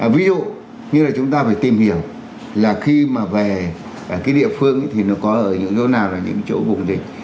ví dụ như là chúng ta phải tìm hiểu là khi mà về cái địa phương thì nó có ở những chỗ nào là những chỗ vùng ổn định